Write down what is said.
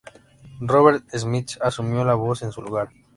Robert Smith asumió la voz en su lugar.